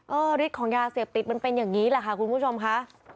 ฤทธิ์ของยาเสพติดมันเป็นอย่างนี้แหละค่ะคุณผู้ชมค่ะ